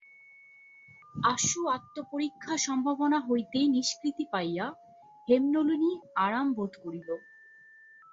আশু আত্মপরীক্ষাসম্ভাবনা হইতে নিষ্কৃতি পাইয়া হেমনলিনী আরাম বোধ করিল।